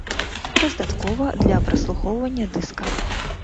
Дастаткова для праслухоўвання дыска.